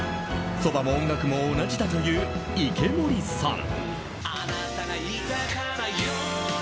そばも音楽も同じだという池森さん。